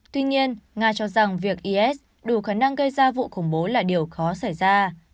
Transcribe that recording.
tuy nhiên nga cho rằng việc is đủ khả năng gây ra vụ khủng bố là điều khó xảy ra